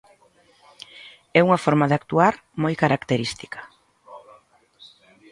É unha forma de actuar moi característica.